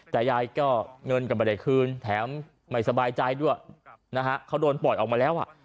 แต่ยายก็เงินก็ไม่ได้คืนแถมไม่สบายใจด้วยนะฮะเขาโดนปล่อยออกมาแล้วอ่ะ